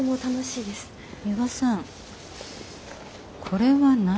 ミワさんこれは何？